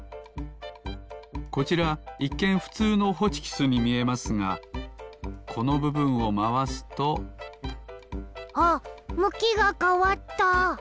こちらいっけんふつうのホチキスにみえますがこのぶぶんをまわすとあっむきがかわった！